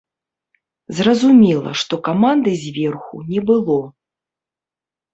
Зразумела, што каманды зверху не было.